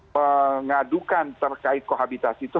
pengadukan terkait pohabitasi itu